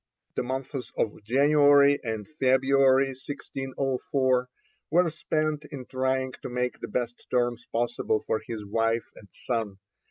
The months of January and February 1604 were spent in trying to make the best terms possible for his wife and son.